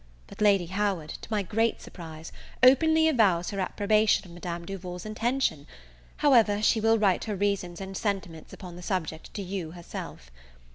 But Lady Howard, to my great surprise, openly avows her appprobation of Madame Duval's intention; however, she will write her reasons and sentiments upon the subject to you herself.